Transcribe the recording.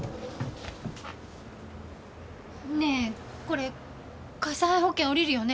ねぇこれ火災保険おりるよね？